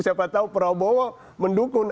siapa tahu prabowo mendukung